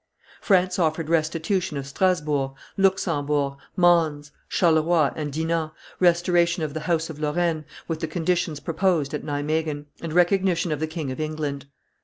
France offered restitution of Strasburg, Luxembourg, Mons, Charleroi, and Dinant, restoration of the house of Lorraine, with the conditions proposed at Nimeguen, and recognition of the King of England.